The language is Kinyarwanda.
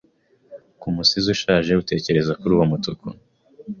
Ku musizi ushaje utekereza kuri uwo mutuku